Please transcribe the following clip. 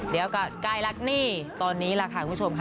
เดี๋ยวก่อนใกล้แล้วนี่ตอนนี้แหละค่ะคุณผู้ชมค่ะ